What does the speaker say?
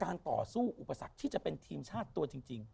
ต่อสู้อุปสรรคที่จะเป็นทีมชาติตัวจริง